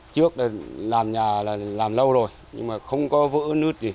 trước làm nhà là làm lâu rồi nhưng mà không có vỡ nứt